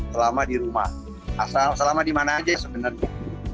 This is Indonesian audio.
selama di rumah selama di mana aja sebenarnya